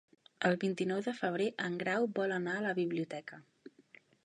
El vint-i-nou de febrer en Grau vol anar a la biblioteca.